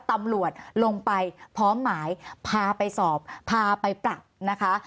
ตำรวจลงไปพร้อมหมายพาไปสอบพาไปปรับนะคะ